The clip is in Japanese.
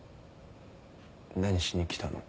何しに来たの？